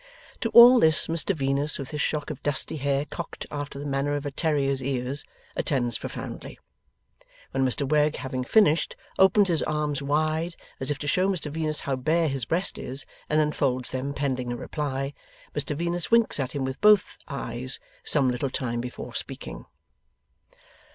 To all this, Mr Venus, with his shock of dusty hair cocked after the manner of a terrier's ears, attends profoundly. When Mr Wegg, having finished, opens his arms wide, as if to show Mr Venus how bare his breast is, and then folds them pending a reply, Mr Venus winks at him with both eyes some little time before speaking.